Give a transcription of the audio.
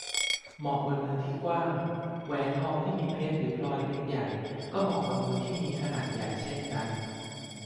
เหมาะบนมือที่กว้าง แหวนทองที่มีเพชรหรือพลอยเม็ดใหญ่ ก็เหมาะกับมือที่มีขนาดใหญ่เช่นกัน